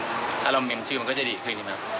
ถ้าเรามีมชื่อมันก็จะดีขึ้นอีกมาก